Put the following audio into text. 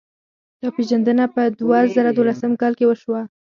دا پېژندنه په دوه زره دولسم کال کې وشوه.